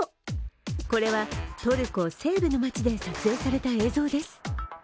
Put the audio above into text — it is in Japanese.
これは、トルコ西部の街で撮影された映像です。